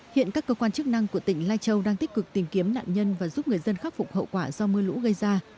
hiện các cơ quan chức năng của tỉnh lai châu đang tích cực tìm kiếm nạn nhân và giúp người dân khắc phục hậu quả do mưa lũ gây ra